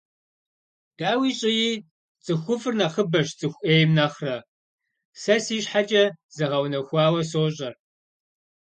Дауи щӏыи, цӏыхуфӏыр нэхъыбэщ цӏыху ӏейм нэхъырэ, сэ си щхьэкӏэ згъэунэхуауэ сощӏэр.